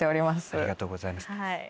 ありがとうございます。